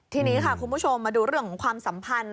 ทีนี้ค่ะคุณผู้ชมมาดูเรื่องของความสัมพันธ์